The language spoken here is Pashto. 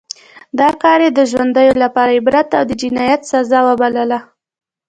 دا کار یې د ژوندیو لپاره عبرت او د جنایت سزا وبلله.